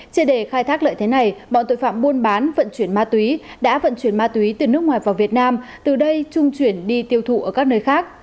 trên để khai thác lợi thế này bọn tội phạm buôn bán vận chuyển ma túy đã vận chuyển ma túy từ nước ngoài vào việt nam từ đây trung chuyển đi tiêu thụ ở các nơi khác